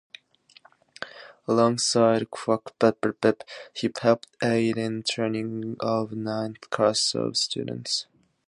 Alongside Quackenbush, he helped aid in the training of the ninth class of students.